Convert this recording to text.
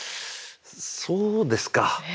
そうですか。